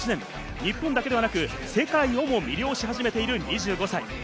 日本だけではなく世界をも魅了し始めている２５歳。